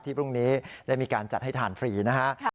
พรุ่งนี้ได้มีการจัดให้ทานฟรีนะฮะ